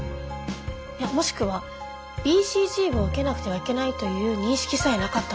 もしくはＢＣＧを受けなくてはいけないという認識さえなかったのかも。